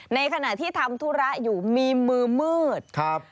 ในขณะที่ทำธุระอยู่มีมือมืดครับ